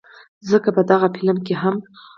ځکه په دغه فلم کښې هم